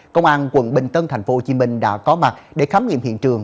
công an quận bình tân tp hcm đã có mặt để khám nghiệm hiện trường